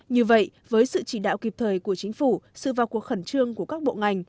như vậy với sự chỉ đạo kịp thời của chính phủ sự vào cuộc khẩn trương của các bộ ngành